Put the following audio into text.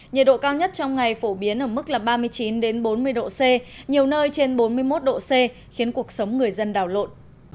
nhiệt độ cao nhất trong ngày phổ biến ở mức ba mươi chín bốn mươi độ c nhiều nơi trên bốn mươi một độ c khiến cuộc sống người dân đảo lộn